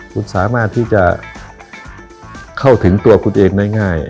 คุณสามารถที่จะเข้าถึงตัวคุณเองได้ง่าย